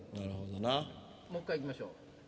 もう一回いきましょう。